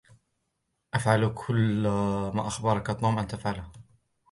إفعل كل ما أخبركَ توم أن تفعله.